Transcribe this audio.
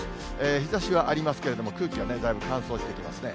日ざしはありますけれども、空気はね、だいぶ乾燥してきますね。